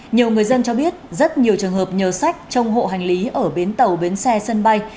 nhiều người dân cho biết rất nhiều trường hợp nhờ sách trong hộ hành lý ở bến tàu bến xe sân bay